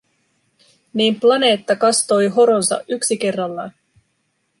Niin planeetta kastoi horonsa yksi kerrallaan.